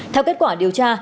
theo kết quả điều tra